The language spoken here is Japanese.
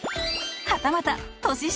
はたまた年下